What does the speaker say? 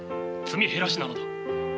積み減らしなのだ。